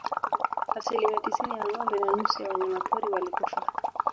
Asilimia tisini ya ngombe na nusu ya wanyama pori walikufa